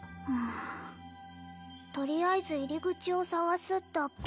とりあえず入り口を探すだっけ